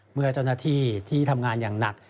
เมื่อเจ้าหน้าที่ที่ทำงานอย่างหนัก